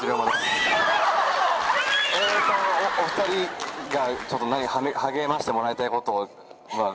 お２人が励ましてもらいたいことを。